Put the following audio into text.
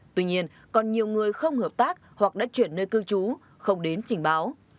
tuy nhiên còn nhiều người không hợp tác hoặc đã chuyển nơi cư trú không đến trình báo